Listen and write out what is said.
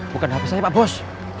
bukan habis saya pak bos